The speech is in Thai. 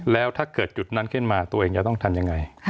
แล้วถ้าเกิดจุดนั้นขึ้นมาตัวเองจะต้องทำยังไง